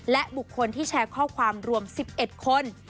และบุคคลที่แชร์ข้อความรวม๑๑คน